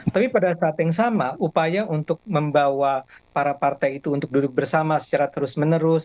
tapi pada saat yang sama upaya untuk membawa para partai itu untuk duduk bersama secara terus menerus